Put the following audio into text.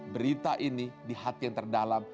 berita ini di hati yang terdalam